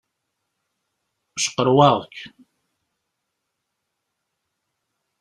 Cqerwaɣ-k.